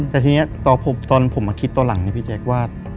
แต่ทีนี้ตอนผมมาคิดตอนหลังเนี่ยพี่แจ๊คว่า